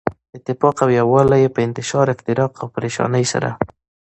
اتفاق او يو والی ئي په انتشار، افتراق او پريشانۍ سره